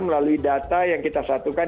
melalui data yang kita satukan